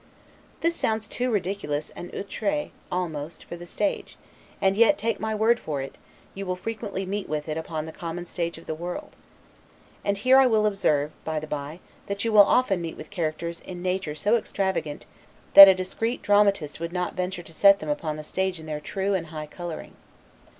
This sounds too ridiculous and 'outre', almost, for the stage; and yet, take my word for it, you will frequently meet with it upon the common stage of the world. And here I will observe, by the bye, that you will often meet with characters in nature so extravagant, that a discreet dramatist would not venture to set them upon the stage in their true and high coloring.